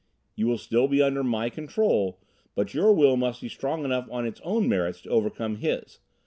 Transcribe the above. You will still be under my control, but your will must be strong enough on its own merits to overcome his.